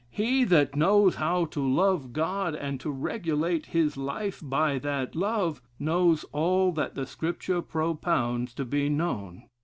'He that knows how to love God, and to regulate his life by that love, knows all that the Scripture propounds to be known.'